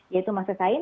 yaitu masker kain